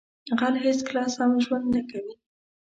غل هیڅکله سم ژوند نه کوي